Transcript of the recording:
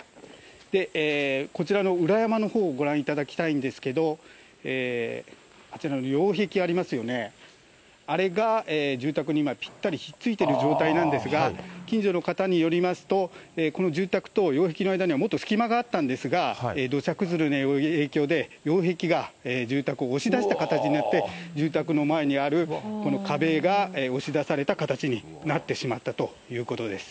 こちらの裏山のほうをご覧いただきたいんですけれども、あちらの擁壁ありますよね、あれが、住宅にぴったり引っ付いている状態なんですが、近所の方によりますと、この住宅と擁壁の間には、もっと隙間があったんですが、土砂崩れの影響で、擁壁が住宅を押し出した形になって、住宅の前にあるこの壁が押し出された形になってしまったということです。